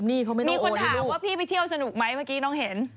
นี่มีคนถามว่าพี่ไปเที่ยวสนุกไหมเมื่อกี้น้องเห็น